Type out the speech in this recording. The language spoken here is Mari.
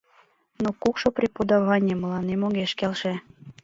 Но кукшо преподаване мыланем огеш келше.